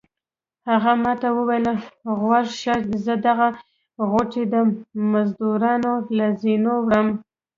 هغه ما ته وویل غوږ شه زه دغه غوټې د مزدورانو له زینو وړم.